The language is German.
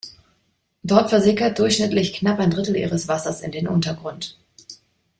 Dort versickert durchschnittlich knapp ein Drittel ihres Wasser in den Untergrund.